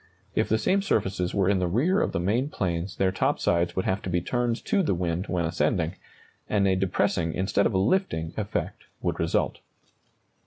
If the same surfaces were in the rear of the main planes their top sides would have to be turned to the wind when ascending, and a depressing instead of a lifting effect would result.